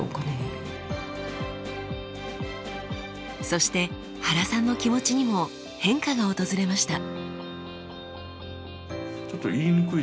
そして原さんの気持ちにも変化が訪れました。